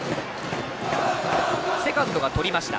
セカンドがとりました。